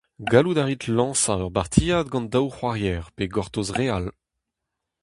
Gallout a rit lañsañ ur bartiad gant daou c'hoarier pe gortoz re all !